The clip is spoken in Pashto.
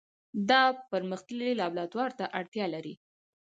دا پرمختللي لابراتوار ته اړتیا لري.